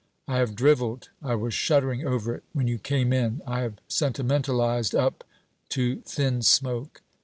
I have drivelled... I was shuddering over it when you came in. I have sentimentalized up to thin smoke.